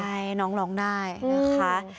ใช่น้องร้องได้นะคะ